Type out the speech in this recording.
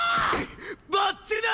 ばっちりだ！